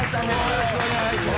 よろしくお願いします。